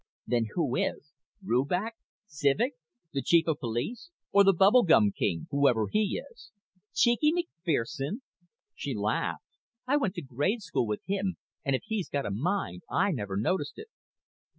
"Then who is? Rubach? Civek? The chief of police? Or the bubble gum king, whoever he is?" "Cheeky McFerson?" She laughed. "I went to grade school with him and if he's got a mind I never noticed it."